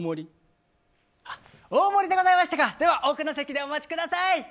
大盛りでございましたかでは、奥の席でお待ちください。